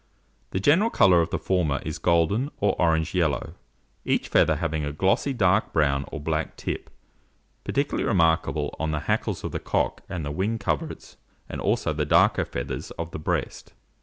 The general colour of the former is golden, or orange yellow, each feather having a glossy dark brown or black tip, particularly remarkable on the hackles of the cock and the wing coverts, and also on the darker feathers of the breast.